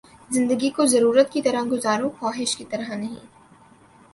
زندگی کو ضرورت کی طرح گزارو، خواہش کی طرح نہیں